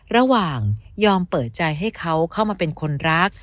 ยอมยอมเปิดใจให้เขาเข้ามาเป็นคนรัก